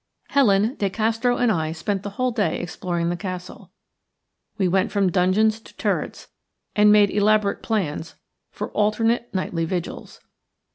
Helen, De Castro, and I spent the whole day exploring the castle. We went from dungeons to turrets, and made elaborate plans for alternate nightly vigils.